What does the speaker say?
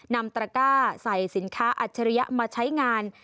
ตระก้าใส่สินค้าอัจฉริยะมาใช้งาน